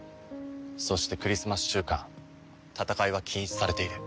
そしてクリスマス週間戦いは禁止されている。